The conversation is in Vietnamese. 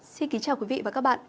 xin kính chào quý vị và các bạn